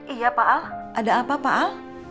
iya pak al ada apa pak al